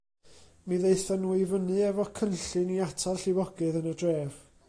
Mi ddaethon nhw i fyny hefo cynllun i atal llifogydd yn y dref.